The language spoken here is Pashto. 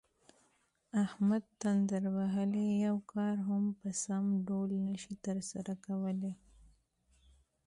احمد تندر وهلی یو کار هم په سم ډول نشي ترسره کولی.